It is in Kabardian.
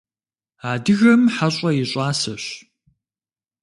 Адыгэм хьэщӀэ и щӀасэщ.